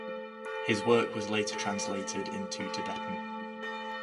His work was later translated into Tibetan.